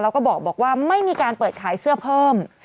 แล้วก็บอกว่าไม่มีการเปิดขายเสื้อเพิ่ม